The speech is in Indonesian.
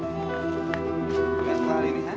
bukan sekali ini kan